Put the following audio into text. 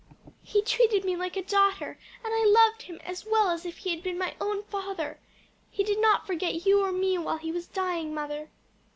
He treated me like a daughter, and I loved him as well as if he had been my own father. He did not forget you or me when he was dying, mother."